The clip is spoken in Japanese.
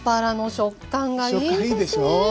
食感いいでしょう？